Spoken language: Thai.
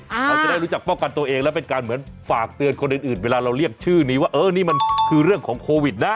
เราจะได้รู้จักป้องกันตัวเองแล้วเป็นการเหมือนฝากเตือนคนอื่นเวลาเราเรียกชื่อนี้ว่าเออนี่มันคือเรื่องของโควิดนะ